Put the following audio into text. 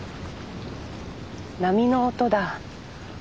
波の音だ。